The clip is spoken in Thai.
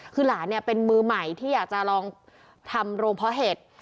คือหลานเนี่ยเป็นมือใหม่ที่อยากจะลองทำโรงเพาะเห็ด